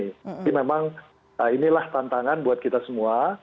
jadi memang inilah tantangan buat kita semua